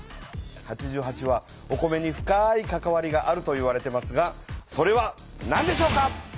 「八十八」はお米に深い関わりがあるといわれていますがそれはなんでしょうか？